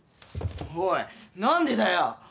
おいなんでだよ！？